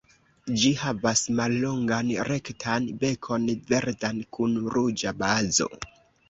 Ĝi havas mallongan rektan bekon, verdan kun ruĝa bazo.